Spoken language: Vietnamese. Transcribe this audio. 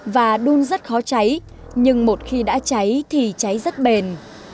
và đun rất khó cháy nhưng một khi đã cháy thì cháy rất bền